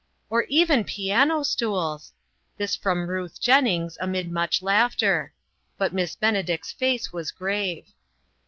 " Or even piano stools !" This from Ruth Jennings, amid much laughter. But Miss Benedict's face was grave.